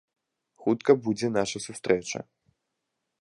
Хутка будзе наша сустрэча.